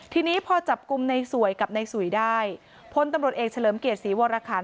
ทีนี้พอจับกลุ่มในสวยกับในสุยได้พลตำรวจเอกเฉลิมเกียรติศรีวรคาร